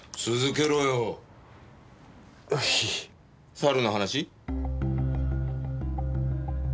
猿の話？